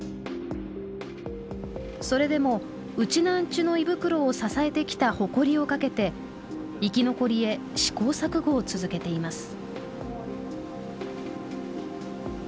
それでもうちなーんちゅの胃袋を支えてきた誇りをかけて生き残りへ試行錯誤を続けています。